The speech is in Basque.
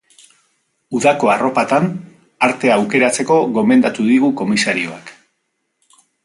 Udako arropatan artea aukeratzeko gomendatu digu komisarioak.